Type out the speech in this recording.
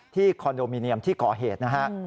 ที่คอนโดมีเนียมที่ก่อเหตุนะครับ